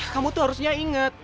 kamu tuh harusnya inget